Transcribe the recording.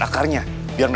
gak usah banget